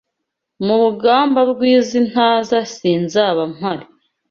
Mu rugamba rw'iz'intaza sinzaba mpari